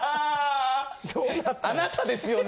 あなたですよね？